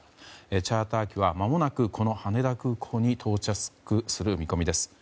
チャーター機は、まもなく羽田空港に到着する見込みです。